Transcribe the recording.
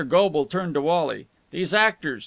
Goble turned to Wally. "These actors...."